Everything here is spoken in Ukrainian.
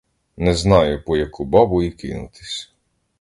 Не знаю, по яку бабу і кинутись!